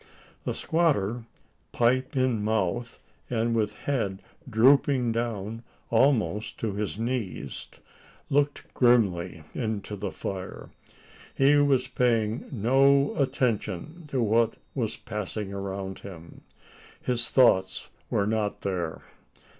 The squatter, pipe in mouth, and with head drooping down almost to his knees, looked grimly into the fire. He was paying no attention to what was passing around him. His thoughts were not there?